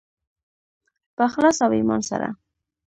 په اخلاص او ایمان سره.